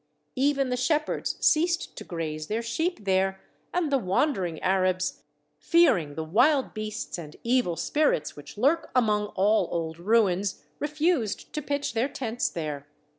Even the shepherds ceased to graze their sheep? there, and the wander ing Arabs, fearing the wild beasts and evil spirits which lurk among all old ruins, refused to pitch their tents there.